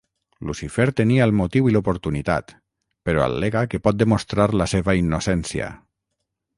Lucifer tenia el motiu i l'oportunitat, però al·lega que pot demostrar la seva innocència.